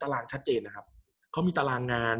กับการสตรีมเมอร์หรือการทำอะไรอย่างเงี้ย